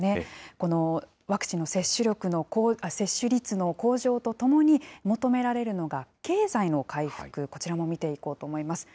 このワクチンの接種率の向上とともに、求められるのが、経済の回復、こちらも見ていこうと思います。